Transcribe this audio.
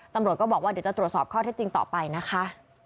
ตำรวจก็บอกว่าเดี๋ยวจะตรวจสอบข้อเท็จจริงต่อไปนะคะ